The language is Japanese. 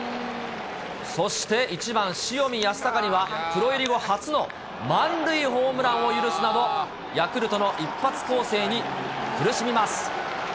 そして１番塩見やすたかには、プロ入り後初の満塁ホームランを許すなど、ヤクルトの一発攻勢に苦しみます。